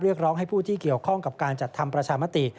เรียกร้องให้ผู้ที่เกี่ยวข้องกับการจัดทำประชามติ